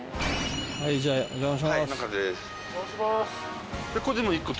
はいじゃあお邪魔します。